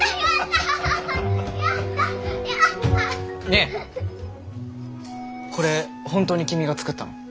ねえこれ本当に君が作ったの？